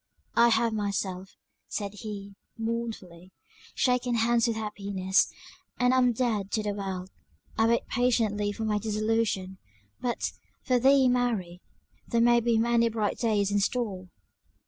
"I have myself," said he, mournfully, "shaken hands with happiness, and am dead to the world; I wait patiently for my dissolution; but, for thee, Mary, there may be many bright days in store."